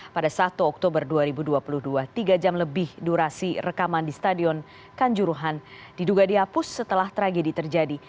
pada satu oktober dua ribu dua puluh dua tiga jam lebih durasi rekaman di stadion kanjuruhan diduga dihapus setelah tragedi terjadi